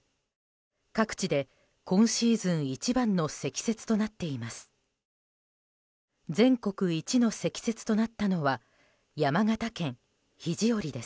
各地で今シーズン一番の積雪となっています。